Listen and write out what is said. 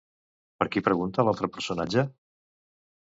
Per qui pregunta l'altre personatge?